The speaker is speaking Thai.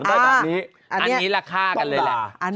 รสดาอันนี้ต้องด่า